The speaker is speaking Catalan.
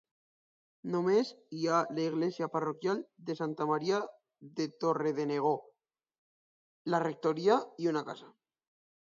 Només hi ha l'església parroquial de Santa Maria de Torredenegó, la rectoria i una casa.